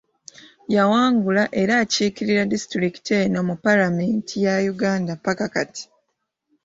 Yawangula era akiikirira disitulikiti eno mu paalamenti ya uganda paaka kati